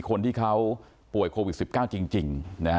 คนที่เขาป่วยโควิด๑๙จริง